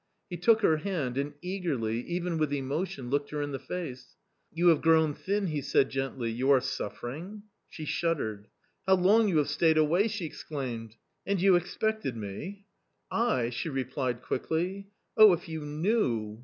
He took her hand and eagerly, even with emotion, looked her in the face. " You have grown thin !" he said gently, " you are suffer ing ?" She shuddered. " How long you have stayed away !" she exclaimed. " And you expected me ?" "I?" she replied quickly. "Oh, if you knew!"